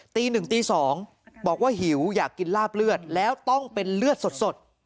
ตี๑ตี๒บอกว่าหิวอยากกินลาบเลือดแล้วต้องเป็นเลือดสด